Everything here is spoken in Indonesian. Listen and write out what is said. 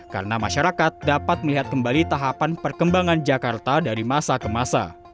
karena masyarakat dapat melihat kembali tahapan perkembangan jakarta dari masa ke masa